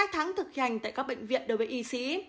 một mươi hai tháng thực hành tại các bệnh viện đối với y sĩ